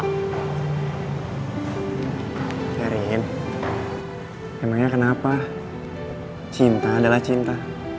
biarin emangnya kenapa cinta adalah cinta